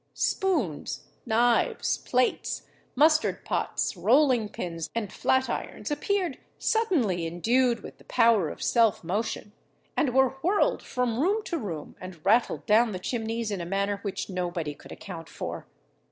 Spoons, knives, plates, mustard pots, rolling pins, and flat irons appeared suddenly endued with the power of self motion, and were whirled from room to room, and rattled down the chimneys in a manner which nobody could account for.